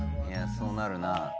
いやそうなるな。